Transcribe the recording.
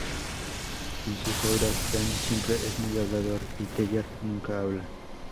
En sus obras, Penn siempre es muy hablador y Teller nunca habla.